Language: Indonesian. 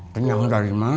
kenyang dari mana